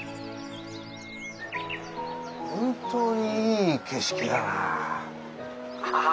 本当にいい景色だなぁ。